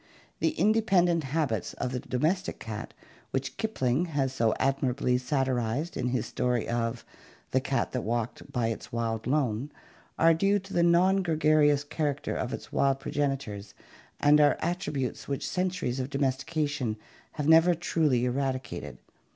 The independent habits of the domestic cat which Kipling has so admirably satirized in his story of "the cat that walked by its wild lone," are due to the non gregarious character of its wild progenitors, and are attributes which centuries of domestication have never wholly eradicated.